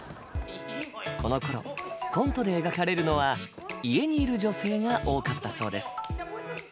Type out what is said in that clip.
このころコントで描かれるのは家にいる女性が多かったそうです。